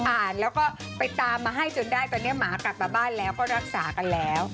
อ่านแล้วก็ไปตามมาให้จนได้ตอนนี้หมากลับมาบ้านแล้วก็รักษากันแล้ว